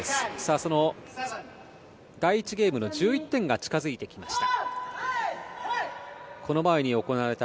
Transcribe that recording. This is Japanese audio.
その第１ゲームの１１点が近付いてきました。